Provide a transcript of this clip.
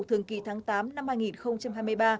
thường kỳ tháng tám năm hai nghìn hai mươi ba